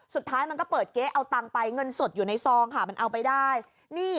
สุดท้ายมันก็เปิดเก๊ะเอาตังค์ไปเงินสดอยู่ในซองค่ะมันเอาไปได้นี่